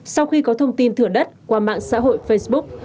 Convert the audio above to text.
sau khi có thông tin thửa đất qua mạng xã hội facebook